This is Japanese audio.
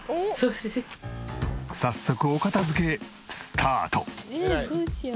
早速お片付けスタート。